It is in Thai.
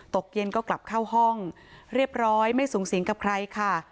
ตกเย็นก็กลับเข้าห้องเรียบร้อยไม่สูงสิงกับใครค่ะ